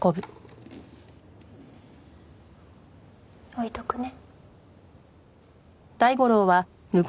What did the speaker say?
置いとくね。